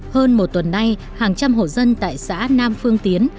hơn một tuần nay hàng trăm hộ dân tại xã nam phương tiến